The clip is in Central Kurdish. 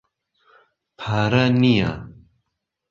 پارە نییە.